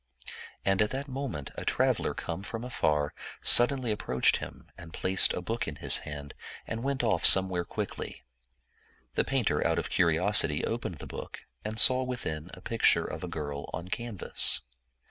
And at that moment a traveler come. from afar suddenly approached him and placed a book in his hand, and went off somewhere quickly. The painter out of curi osity opened the book, and saw within a picture of a girl on canvas.